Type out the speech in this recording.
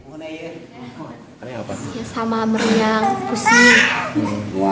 saya sama meriang pusing tua